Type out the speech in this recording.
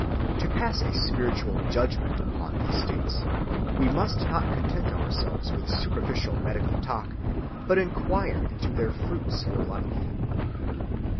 To pass a spiritual judgment upon these states, we must not content ourselves with superficial medical talk, but inquire into their fruits for life.